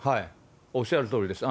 おっしゃるとおりです。